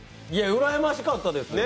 うらやましかったです。